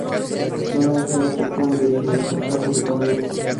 No es solo una cuestión de circunstancias económicas.